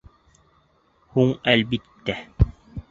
Һуң әлбиттә.